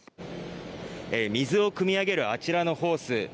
水をくみ上げるあちらのホース。